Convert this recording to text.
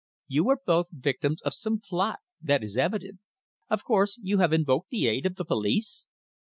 "You were both victims of some plot; that is evident. Of course you have invoked the aid of the police?"